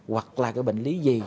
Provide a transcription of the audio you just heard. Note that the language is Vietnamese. hoặc là cái bệnh lý gì